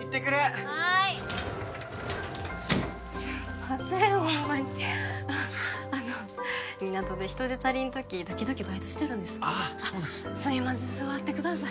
行ってくるはいすんませんホンマにあの港で人手足りん時時々バイトしてるんですああそうなんすねすいません座ってください